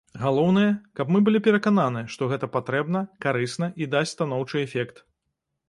Галоўнае, каб мы былі перакананы, што гэта патрэбна, карысна і дасць станоўчы эфект.